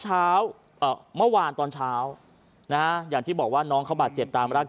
เมื่อวานตอนเช้านะฮะอย่างที่บอกว่าน้องเขาบาดเจ็บตามรัก